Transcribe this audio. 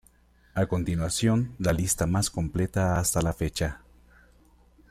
A continuación la lista más completa hasta la fecha.